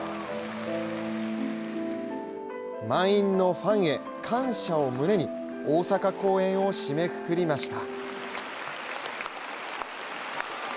満員のファンヘ感謝を胸に大阪公演を締めくくりました。